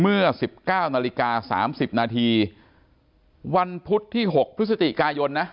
เมื่อ๑๙๓๐วันพุธที่๖พฤศติกายท์นะ